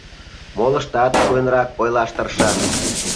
Молыштат шуэнрак ойлаш тыршат.